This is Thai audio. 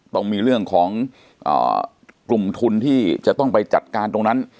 ต้องมีเรื่องของกลุ่มทุนที่จะต้องไปจัดการตรงนั้น